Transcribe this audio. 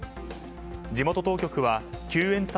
地元当局は救援隊